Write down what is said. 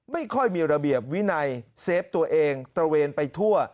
ไม่ค่อยมีระเบียบวินัยเซฟตัวเองตระเวนไปทั่ว